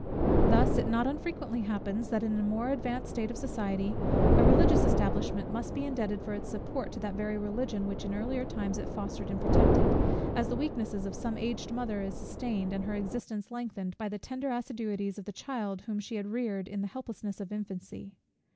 Thus it not unfrequently happens, that in a more advanced state of society, a religious establishment must be indebted for its support to that very Religion, which in earlier times it fostered and protected; as the weakness of some aged mother is sustained, and her existence lengthened, by the tender assiduities of the child whom she had reared in the helplessness of infancy.